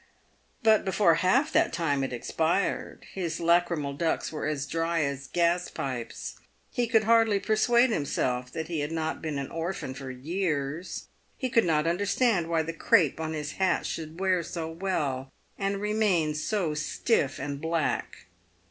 But before half that time had expired his lachrymal ducts were as dry as gas pipes. He could hardly persuade himself he had not been an orphan for years. He could not understand why the crape on his hat should wear so well and remain so stiff" and black.